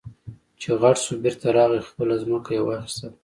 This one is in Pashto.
چې غټ شو بېرته راغی خپله ځمکه يې واخېستله.